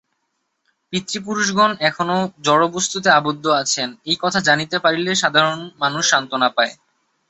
পিতৃপুরুষগণ এখনও জড়বস্তুতে আবদ্ধ আছেন, এই কথা জানিতে পারিলে সাধারণ মানুষ সান্ত্বনা পায়।